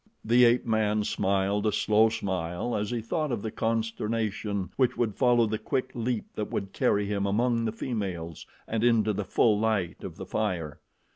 The ape man smiled a slow smile as he thought of the consternation which would follow the quick leap that would carry him among the females and into the full light of the fire.